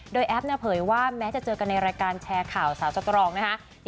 โดยแอปเผยว่าแม้จะเจอกันในรายการแชร์ข่าวสาวสตรองนะคะ